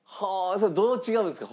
それはどう違うんですか？